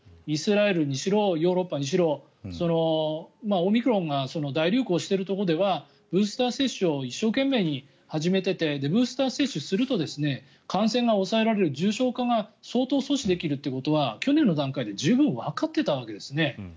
イスラエルにしろヨーロッパにしろオミクロンが大流行しているところではブースター接種を一生懸命に始めていてブースター接種すると感染が抑えられる重症化が相当阻止できるということは去年の段階で十分わかっていたわけですね。